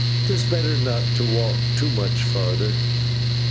'Tis better not to walk too much together.